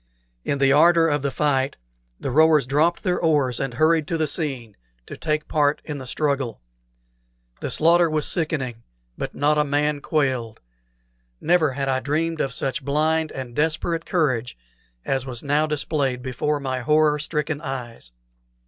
In the ardor of the fight the rowers dropped their oars and hurried to the scene, to take part in the struggle. The slaughter was sickening, but not a man quailed. Never had I dreamed of such blind and desperate courage as was now displayed before my horror stricken eyes.